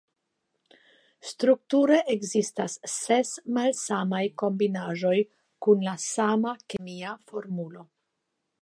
Strukture ekzistas ses malsamaj kombinaĵoj kun la sama kemia formulo.